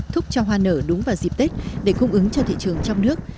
thúc cho hoa nở đúng vào dịp tết để cung ứng cho thị trường trong nước